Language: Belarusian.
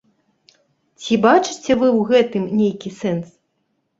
Ці бачыце вы ў гэтым нейкі сэнс?